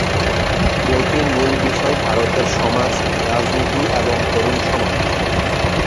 বইটির মূলবিষয় ভারতের সমাজ, রাজনীতি এবং তরুণ সমাজ।